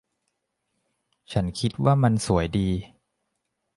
ฉันคิดว่ามันสวยดี